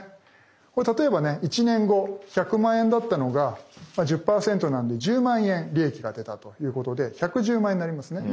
これ例えばね１年後１００万円だったのが１０％なので１０万円利益が出たということで１１０万円になりますね。